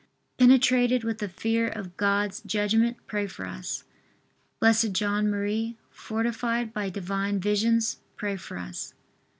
penetrated with the fear of God's judgment, pray for us. B. J. M., fortified by Divine visions, pray for us.